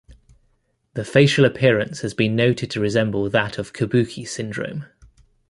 The facial appearance has been noted to resemble that of Kabuki syndrome.